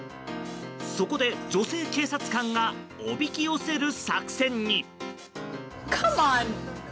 そこで、女性警察官がおびき寄せる作戦に。